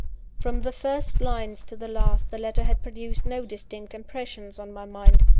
From the first lines to the last, the letter had produced no distinct impressions on my mind.